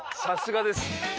さすがです。